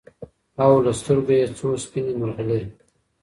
او له سترګو يې څو سپيني مرغلري